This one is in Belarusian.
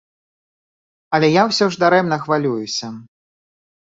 Але я ўсё ж дарэмна хвалююся.